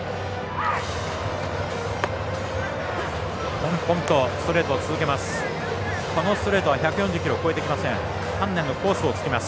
ぽんぽんとストレートを続けます。